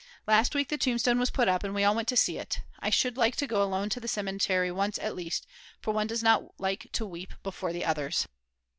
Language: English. Last week the tombstone was put up and we all went to see it. I should like to go alone to the cemetery once at least, for one does not like to weep before the others.